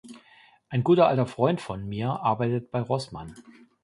Ein guter alter Freund von mir arbeitet bei Rossmann.